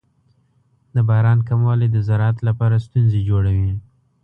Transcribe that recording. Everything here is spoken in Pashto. د باران کموالی د زراعت لپاره ستونزې جوړوي.